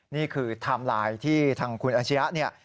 นี่คือไทม์ไลน์ที่ทางคุณอาชียะ